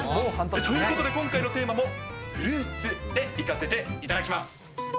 ということで今回のテーマも、フルーツで、いかせていただきます。